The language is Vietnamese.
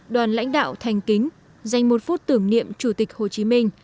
đoàn lãnh đạo thành kính dành một phút tưởng niệm chủ tịch hồ chí minh